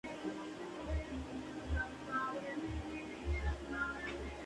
Flores blancas.